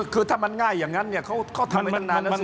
คือถ้ามันง่ายอย่างนั้นเนี่ยเขาก็ทำไว้นานน่ะสิ